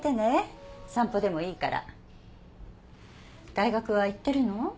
大学は行ってるの？